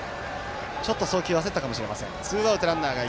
ちょっと送球を焦ったかもしれません。